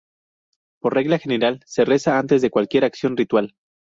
Por regla general, se reza antes de cualquier acción ritual.